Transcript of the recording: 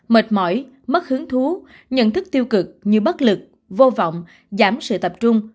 mệt mỏi mất hướng thú nhận thức tiêu cực như bất lực vô vọng giảm sự tập trung